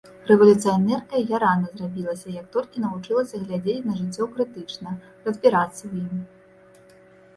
Рэвалюцыянеркай я рана зрабілася, як толькі навучылася глядзець на жыццё крытычна, разбірацца ў ім.